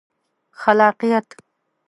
خلاقیت